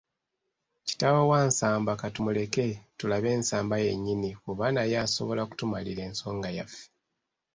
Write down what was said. Kitaawe wa Nsamba katumuleke tulabe Nsamba yennyini kuba naye asobola okutumalira ensonga yaffe.